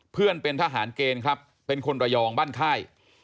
เพื่อนเป็นทหารเกณฑ์ครับเป็นคนระยองบ้านค่าย